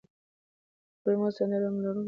د کولمو سنډروم لرونکي باید پام وکړي.